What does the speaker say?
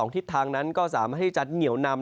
ทิศทางนั้นสามารถให้จัดเหนี่ยวนำ